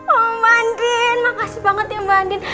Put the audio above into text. oh mbak andin makasih banget ya mbak andin